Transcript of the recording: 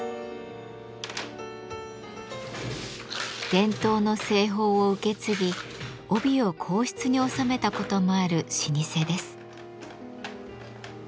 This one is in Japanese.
伝統の製法を受け継ぎ帯を皇室に納めたこともある老舗です。